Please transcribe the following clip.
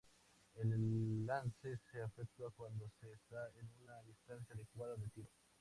El lance se efectúa cuando se está a una distancia adecuada de tiro.